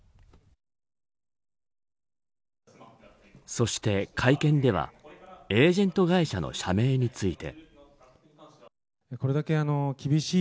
そして、会見ではエージェント会社の社名について。